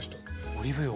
オリーブ油を。